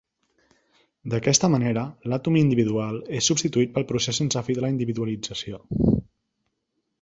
D'aquesta manera, l'àtom individual és substituït pel procés sense fi de la individualització.